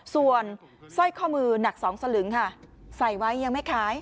ส่วนสร้อยข้อมือหนัก๒สลึงค่ะใส่ไว้ยังไม่ขาย